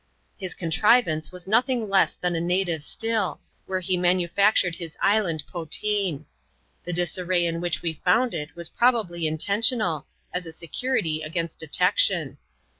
His contrivance was nothing less than a native still, where he manufactured his island ^' poteen." The disarray in which we found it was probably intentional, as a security against detec tion.